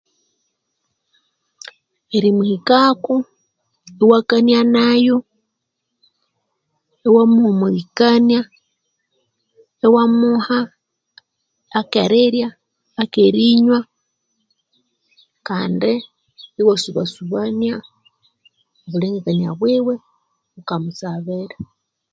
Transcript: Erimuhikako, iwakania nayo, iwamuhumulikania, iwamuha akerirya, akerinywa, kandi iwasubasubania obulengekania bwiwe iwukamusabira.